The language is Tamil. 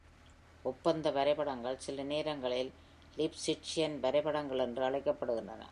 ஒப்பந்த வரைபடங்கள் சில நேரங்களில் லிப்ஸ்சிட்ஜியன் வரைபடங்கள் என்று அழைக்கப்படுகின்றன.